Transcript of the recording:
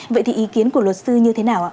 vậy thì ý kiến của ông mai đức trung là